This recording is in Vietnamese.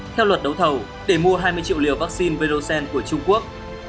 theo luật đấu thầu để mua hai mươi triệu liều vaccine verocen của trung quốc